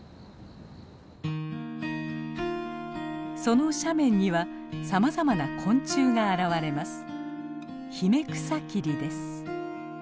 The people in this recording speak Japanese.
その斜面にはさまざまな昆虫が現れます。